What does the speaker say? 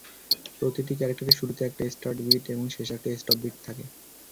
প্রতিটি ক্যারেক্টারের শুরুতে একটা স্টার্ট বিট এবং শেষে একটা স্টপ বিট থাকে।